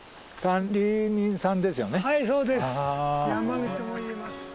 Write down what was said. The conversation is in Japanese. はいそうです。